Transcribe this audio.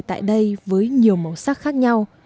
tại đây với nhiều màu sắc khác nhau